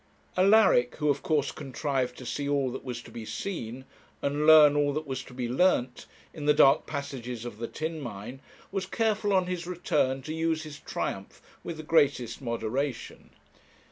Alaric, who of course contrived to see all that was to be seen, and learn all that was to be learnt, in the dark passages of the tin mine, was careful on his return to use his triumph with the greatest moderation.